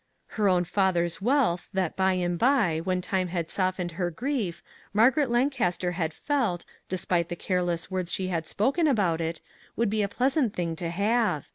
Her own fa ther's wealth that by and by, when time had softened her grief, Margaret Lancaster had felt, despite the careless words she had spoken about it, would be a pleasant thing to have.